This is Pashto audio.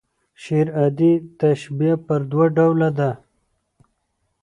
غير عادي تشبیه پر دوه ډوله ده.